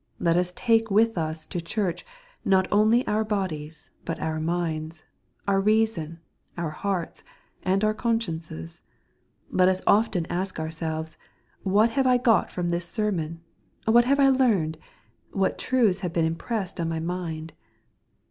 Let us take with us to Church, not only our bodies, but our minds, our reason, our hearts, and our consciences. Let us often ask ourselves, "What have I got from this sermon ? what have I learned ? what truths have been impressed on my mind